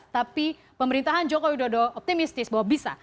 tapi pemerintahan jokowi dodo optimistis bahwa bisa